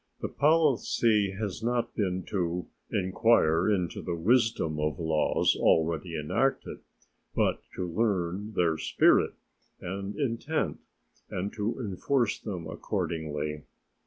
The policy has been not to inquire into the wisdom of laws already enacted, but to learn their spirit and intent and to enforce them accordingly.